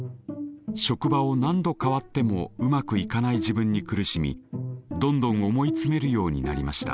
職場を何度変わってもうまくいかない自分に苦しみどんどん思い詰めるようになりました。